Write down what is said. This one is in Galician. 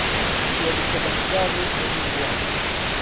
A súa discapacidade é visual.